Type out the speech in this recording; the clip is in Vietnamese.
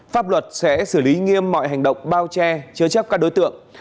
pháp luật sẽ xử lý nghiêm mọi hành động bao che chứa chấp các đối tượng